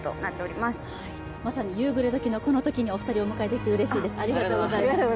まさに夕暮れ時のこのときにお二人をお迎えできてうれしいです。